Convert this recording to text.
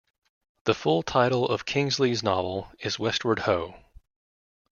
The full title of Kingsley's novel is Westward Ho!